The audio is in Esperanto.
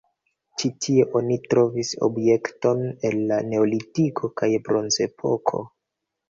Ĉi tie oni trovis objektojn el la neolitiko kaj bronzepoko.